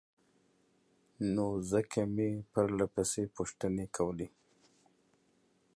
نو ځکه مې پرلهپسې پوښتنې کولې